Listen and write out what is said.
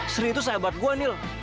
sri itu sehebat gua niel